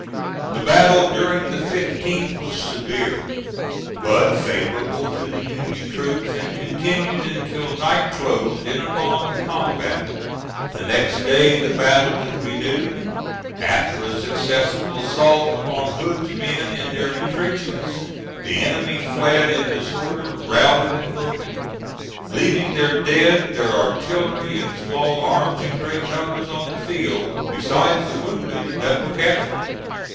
The battle during the 15th was severe, but favorable to the Union troops, and continued until night closed in upon the combat. The next day the battle was renewed. After a successful assault upon Hood's men in their intrenchments the enemy fled in disorder, routed and broken, leaving their dead, their artillery and small arms in great numbers on the field, besides the wounded that were captured.